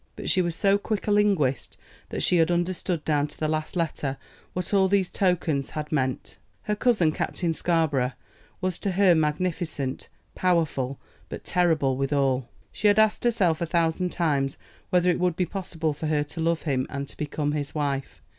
But she was so quick a linguist that she had understood down to the last letter what all these tokens had meant. Her cousin, Captain Scarborough, was to her magnificent, powerful, but terrible withal. She had asked herself a thousand times whether it would be possible for her to love him and to become his wife.